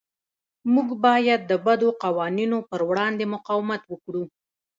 موږ باید د بدو قوانینو پر وړاندې مقاومت وکړو.